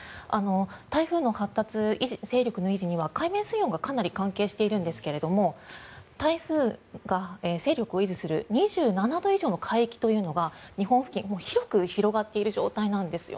台風の発達、勢力の維持には海面水温がかなり関係しているんですが台風が勢力を維持する２７度以上の海域というのが日本付近広く広がっている状態なんです。